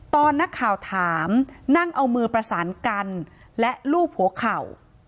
ตอนนักข่าวถามนั่งเอามือประสานกันและลูบหัวเข่า